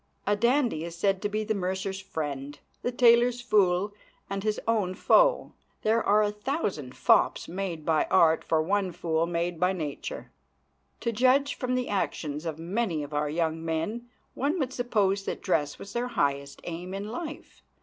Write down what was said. A dandy is said to be the mercer's friend, the tailor's fool, and his own foe. There are a thousand fops made by art for one fool made by nature. To judge from the actions of many of our young men one would suppose that dress was their highest aim in life.